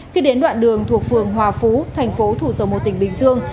khi đến đoạn đường thuộc phường hòa phú thành phố thủ dầu một tỉnh bình dương